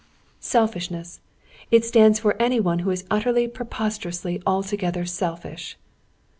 "Selfishness! It stands for any one who is utterly, preposterously, altogether, selfish."